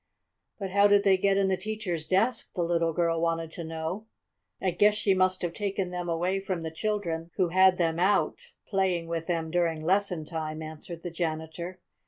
"But how did they get in the teacher's desk?" the little girl wanted to know. "I guess she must have taken them away from the children who had them out, playing with them during lesson time," answered the janitor.